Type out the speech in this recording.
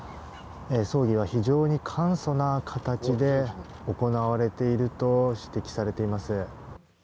葬儀は非常に簡素な形で行われていると指摘されています。